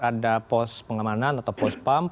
ada postpengamanan atau postpump